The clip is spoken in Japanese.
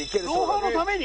『ロンハー』のために？